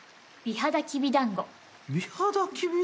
美肌きびだんご何それ？